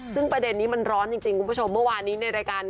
ซึ่งประเด็นนี้มันร้อนจริงคุณผู้ชมเมื่อวานนี้ในรายการ